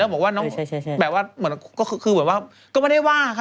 แล้วก็บอกว่าน้องเหมือนว่าก็ไม่ได้ว่าค่ะ